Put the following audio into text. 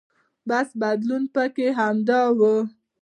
بس بدلون پکې همدا و.